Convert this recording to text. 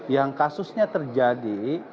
yang kasusnya terjadi